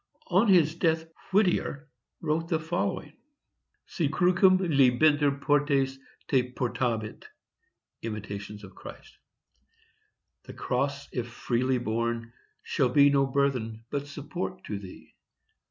On his death Whittier wrote the following: "Si crucem libenter portes, te portabit."—Imit. Christ. "The Cross, if freely borne, shall be No burthen, but support, to thee."